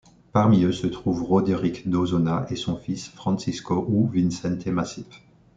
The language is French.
Parmi eux se trouvent Roderic d'Osona et son fils Francisco ou Vicente Macip.